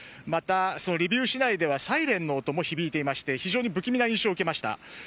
また、リビウ市内ではサイレンの音も響いていまして非常に不気味な印象も受けました。